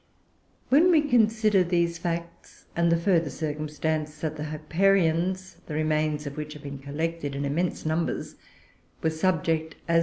When we consider these facts, and the further circumstance that the Hipparions, the remains of which have been collected in immense numbers, were subject, as M.